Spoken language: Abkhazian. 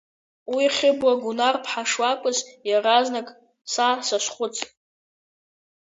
Уи Хьыбла Гунар-ԥҳа шлакәыз иаразнак са сназхуцт.